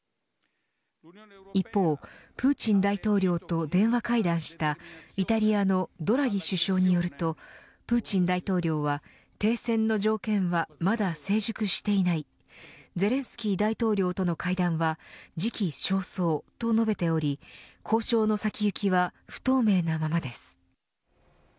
一方プーチン大統領と電話会談したイタリアのドラギ首相によるとプーチン大統領は停戦の条件はまだ成熟していないゼレンスキー大統領との会談は時期尚早と述べており交渉の先行きは不透明なままです。